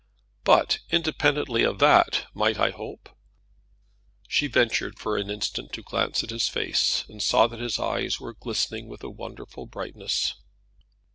"But, independently of that, might I hope?" She ventured for an instant to glance at his face, and saw that his eyes were glistening with a wonderful brightness.